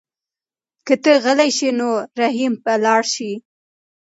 که ته غلی شې نو رحیم به لاړ شي.